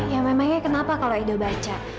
ya memangnya kenapa kalau edo baca